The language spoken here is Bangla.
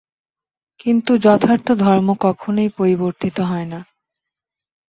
কিন্তু যথার্থ ধর্ম কখনই পরিবর্তিত হয় না।